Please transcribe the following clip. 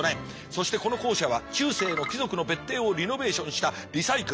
そしてこの校舎は中世の貴族の別邸をリノベーションしたリサイクル。